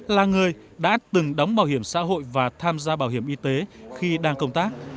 là người đã từng đóng bảo hiểm xã hội và tham gia bảo hiểm y tế khi đang công tác